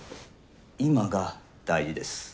今が大事です。